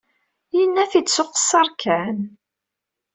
Yenna-t-id s uqeṣṣer kan.